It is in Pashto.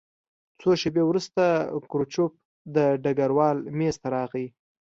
څو شېبې وروسته کروچکوف د ډګروال مېز ته راغی